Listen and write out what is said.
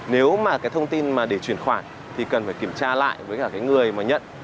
nếu mà cái thông tin mà để chuyển khoản thì cần phải kiểm tra lại với cả cái người mà nhận